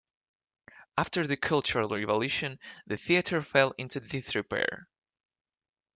After the Cultural Revolution, the theatre fell into disrepair.